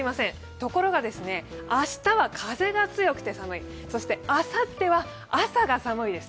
ところが、明日は風が強くて寒いそしてあさっては朝が寒いです。